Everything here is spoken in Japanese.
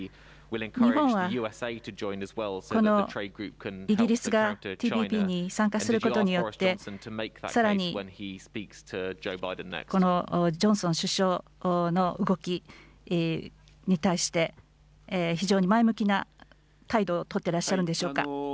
日本はこのイギリスがＴＰＰに参加することによって、さらにこのジョンソン首相の動きに対して、非常に前向きな態度を取ってらっしゃるんでしょうか。